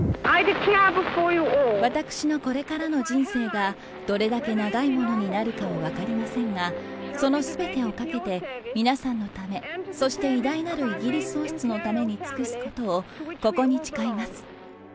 私のこれからの人生がどれだけ長いものになるかは分かりませんが、そのすべてをかけて、皆さんのため、そして偉大なるイギリス王室のために尽くすことを、ここに誓います。